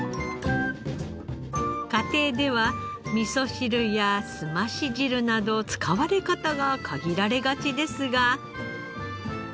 家庭ではみそ汁や澄まし汁など使われ方が限られがちですが。